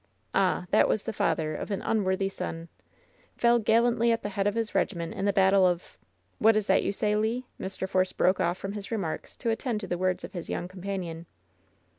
AJiI that was the father of an unworthy son I Fell gallantly at the head of his regiment in the battle of What is that you say, Le ?" Mr. Force broke off from his remarks to at tend to the words of his young companion.